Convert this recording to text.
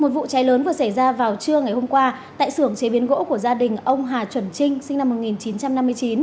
một vụ cháy lớn vừa xảy ra vào trưa ngày hôm qua tại xưởng chế biến gỗ của gia đình ông hà chuẩn trinh sinh năm một nghìn chín trăm năm mươi chín